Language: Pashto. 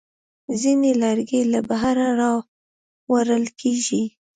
ځینې لرګي له بهره راوړل کېږي.